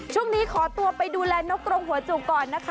ช่วงนี้ขอตัวไปดูแลนกกรงหัวจุกก่อนนะคะ